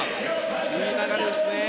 いい流れですね。